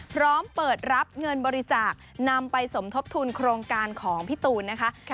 พร้อมเปิดรับเงินบริจาคนำไปสมทบทุนโครงการของพี่ตูนนะคะ